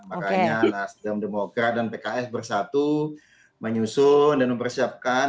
makanya nas demokra dan pks bersatu menyusun dan mempersiapkan